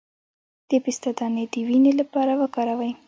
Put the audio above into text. د پسته دانه د وینې لپاره وکاروئ